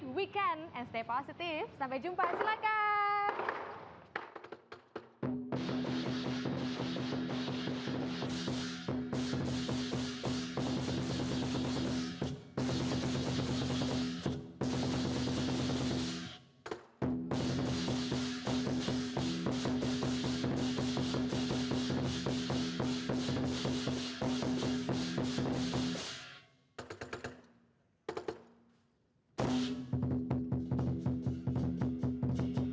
terima kasih sudah menyaksikan good morning